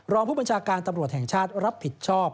รองผู้บัญชาการตำรวจแห่งชาติรับผิดชอบ